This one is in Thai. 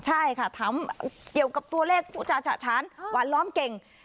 ใช่ค่ะเกี่ยวกับตัวเลขชาญวันล้อมเก่ง